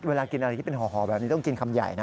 เวลากินอะไรที่เป็นห่อแบบนี้ต้องกินคำใหญ่นะ